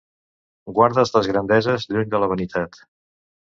Guardes les grandeses lluny de la vanitat.